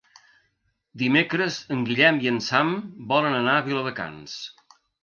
Dimecres en Guillem i en Sam volen anar a Viladecans.